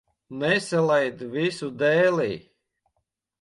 Nesalaid visu dēlī.